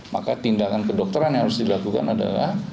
maka tindakan kedokteran yang harus dilakukan adalah